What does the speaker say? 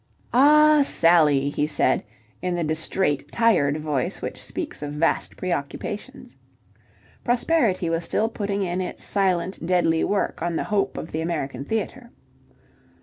"Ah, Sally!" he said in the distrait, tired voice which speaks of vast preoccupations. Prosperity was still putting in its silent, deadly work on the Hope of the American Theatre.